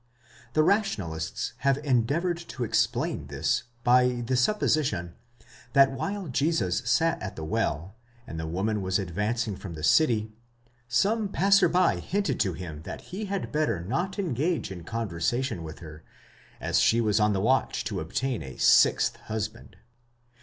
The rationalists have endeavoured to explain this by the supposition, that while Jesus sat at the well, and the woman was advancing from the city, some passer by hinted to him that he had better not engage in conversation with her, as she was on the watch to obtain a sixth husband.!